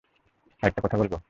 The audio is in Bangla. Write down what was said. আরেকটা কথা, বলবো?